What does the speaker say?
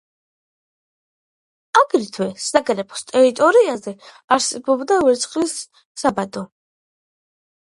აგრეთვე საგრაფოს ტერიტორიაზე არსებობდა ვერცხლის საბადო.